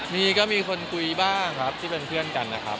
มีก็มีคนคุยบ้างครับที่เป็นเพื่อนกันนะครับ